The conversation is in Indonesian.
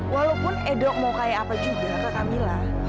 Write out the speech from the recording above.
walaupun edo mau kaya apa juga ke kamila